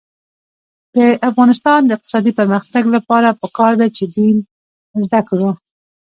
د افغانستان د اقتصادي پرمختګ لپاره پکار ده چې دین زده کړو.